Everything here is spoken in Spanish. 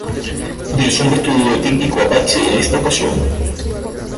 Utilizó un vestido típico apache en esa ocasión.